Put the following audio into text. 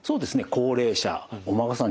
高齢者お孫さん